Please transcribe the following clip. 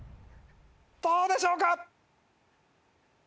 どうでしょうか？